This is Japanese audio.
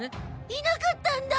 いなかったんだ！